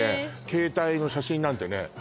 携帯の写真なんてね